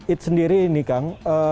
it sendiri ini kang